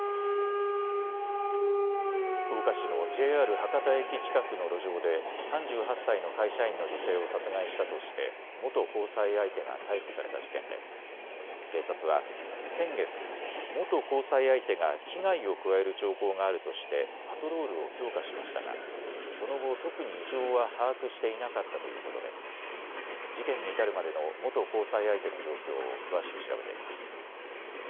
福岡市のＪＲ博多駅近くの路上で３８歳の会社員の女性を殺害したとして元交際相手が逮捕された事件で警察は先月、元交際相手が危害を加える兆候があるとしてパトロールを強化しましたがその後、特に異常は把握していなかったということで事件に至るまでの元交際相手の状況を詳しく調べています。